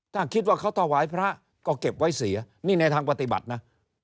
ถ้าคิดว่าเขาถวายพระก็เก็บไว้เสียนี่ในทางปฏิบัตินะ